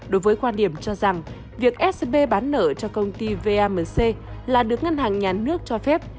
đối với quan điểm cho rằng việc scb bán nợ cho công ty vamc là được ngân hàng nhà nước cho phép